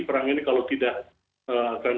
perang ini kalau tidak akan